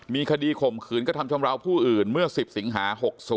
มีคดีข่มขืนกระทำชำราวผู้อื่นเมื่อ๑๐สิงหา๖๐